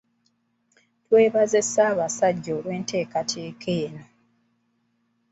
Twebaza Ssaabasajja olwenteekateeka eno.